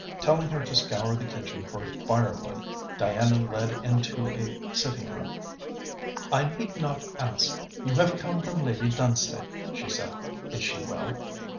Telling her to scour the kitchen for firewood, Diana led into a sitting room. 'I need not ask you have come from Lady Dunstane,' she said. 'Is she well?'